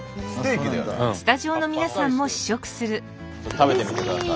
食べてみてください。